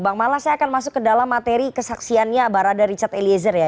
bang mala saya akan masuk ke dalam materi kesaksiannya barada richard eliezer ya